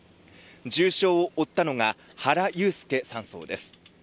重傷を負ったのが原悠介３曹です。